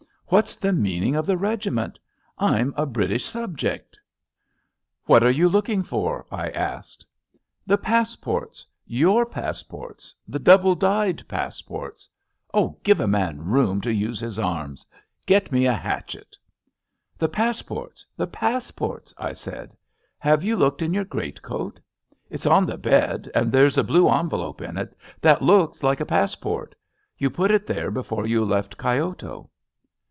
What's the meaning of the regiment? I'm a British subject." " What are you looking for? '* I asked. '* The passports — ^your passports — the double dyed passports I Oh, give a man room to use his arms. Get me a hatchef The passports, the passports I'* I said. '* Have you looked in your great coat? It's on the bed, and there's a blue envelope in it that looks like a passport, Tou put it there before you left Kyoto."